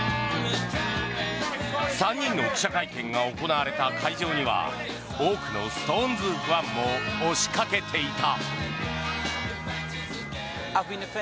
３人の記者会見が行われた会場には多くのストーンズファンも押しかけていた。